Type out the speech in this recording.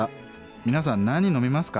皆さん何飲みますか？